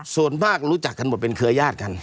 ส่วนมากรู้จักกันหมดเป็นเครือญาติกัน